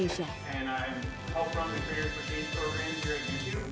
dan saya berhasil menerima penghargaan untuk kualitas kualitas di youtube